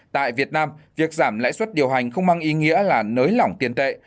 tại việt nam việc giảm lãi suất điều hành không mang ý nghĩa là nới lỏng tiền tệ